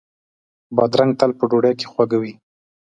بادرنګ تل په ډوډۍ کې خواږه وي.